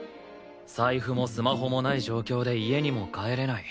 財布もスマホもない状況で家にも帰れない。